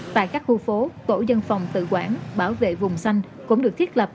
tại các khu phố tổ dân phòng tự quản bảo vệ vùng xanh cũng được thiết lập